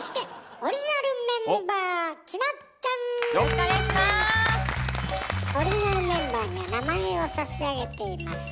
オリジナルメンバーには名前を差し上げています。